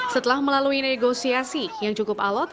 setelah melalui negosiasi yang cukup alot